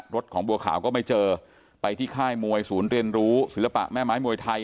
รถของบัวขาวก็ไม่เจอไปที่ค่ายมวยศูนย์เรียนรู้ศิลปะแม่ไม้มวยไทย